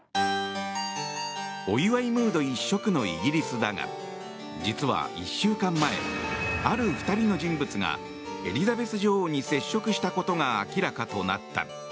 お祝いムード一色のイギリスだが実は１週間前ある２人の人物がエリザベス女王に接触したことが明らかとなった。